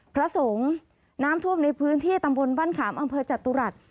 พระสงฆ์น้ำท่วมในพื้นที่ตำบลบ้านขามอำเภอจตุรัส